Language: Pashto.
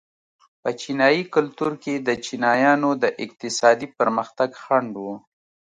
په چینايي کلتور کې د چینایانو د اقتصادي پرمختګ خنډ و.